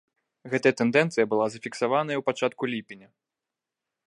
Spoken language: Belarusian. Гэтая тэндэнцыя была зафіксаваная ў пачатку ліпеня.